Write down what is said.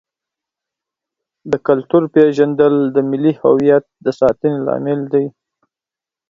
د کلتور پیژندل د ملي هویت د ساتنې لامل دی.